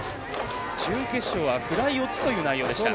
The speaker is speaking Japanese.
準決勝はフライ４つという内容でした。